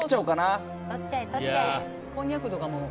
こんにゃくとかも。